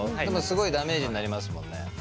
スゴいダメージになりますもんね。